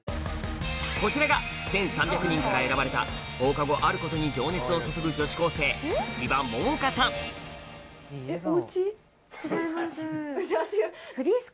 こちらが１３００人から選ばれた放課後あることに情熱を注ぐ女子高生違います。